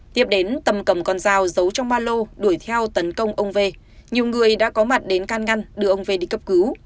tiếp đến tâm cầm con dao giấu trong ba lô đuổi theo tấn công ông v nhiều người đã có mặt đến can ngăn đưa ông v đi cấp cứu